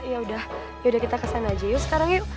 yaudah kita kesana aja yuk sekarang yuk